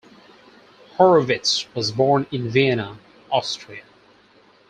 Horovitz was born in Vienna, Austria.